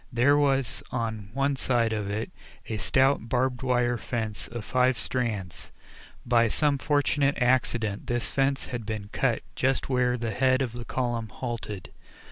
There was on one side of it a stout barbed wire fence of five strands. By some fortunate accident this fence had been cut just where the head of the column halted.